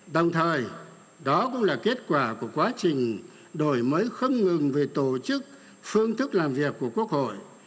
đồng thời đó cũng là kết quả của quá trình đổi mới không ngừng về tổ chức phương thức làm việc của quốc hội